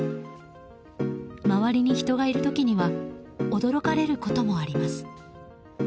周りに人がいる時には驚かれることもあります。